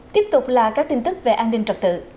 tiếp tục là các tin tức về an ninh trật tự